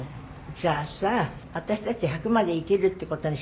じゃあさ私たち１００まで生きるっていう事にしましょうよ。